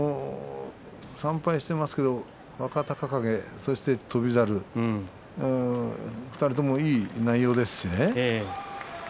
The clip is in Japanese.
３敗はしていますけど若隆景そして翔猿２人とも、いい内容ですしね